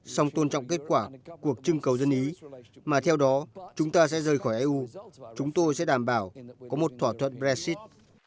song tôn trọng kết quả cuộc trưng cầu dân ý mà theo đó chúng ta sẽ rời khỏi eu chúng tôi sẽ đảm bảo có một thỏa thuận brexit